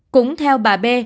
cũng theo bà b